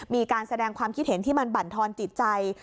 มีการแสดงความคิดเห็นที่มันบั่นทอนจิตใจ